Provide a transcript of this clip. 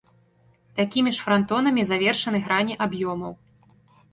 Такімі ж франтонамі завершаны грані аб'ёмаў.